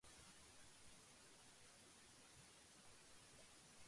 If all three team members answered correctly, one hundred points were awarded.